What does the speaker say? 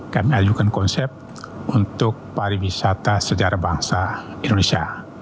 kami ajukan konsep untuk pariwisata sejarah bangsa indonesia